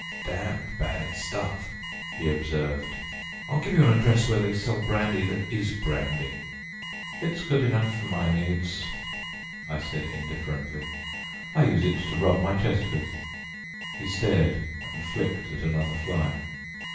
"Damned bad stuff," he observed. "I'll give you an address where they sell brandy that is brandy." "It's good enough for my needs," I said indifferently. "I use it to rub my chest with." He stared and flicked at another fly.